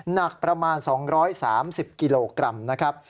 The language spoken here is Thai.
หนักประมาณ๒๓๐กิโลกรัมนะครับ